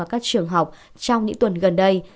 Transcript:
ở các trường học trong những tuần gần đây